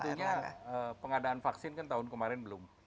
ya tentunya pengadaan vaksin kan tahun kemarin belum